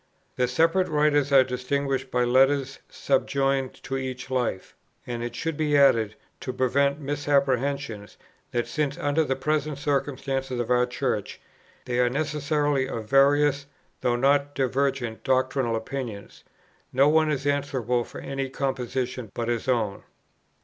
The separate writers are distinguished by letters subjoined to each Life: and it should be added, to prevent misapprehension, that, since under the present circumstances of our Church, they are necessarily of various, though not divergent, doctrinal opinions, no one is answerable for any composition but his own.